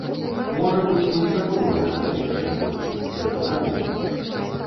Можа быць, мы і гатовыя на далейшыя крокі, гэта правільна.